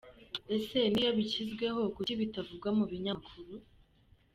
Ese n’iyo bishyizweho kuki bitavugwa mu binyamakuru?